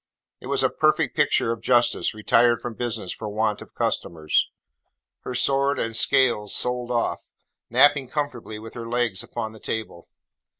It was a perfect picture of justice retired from business for want of customers; her sword and scales sold off; napping comfortably with her legs upon the table.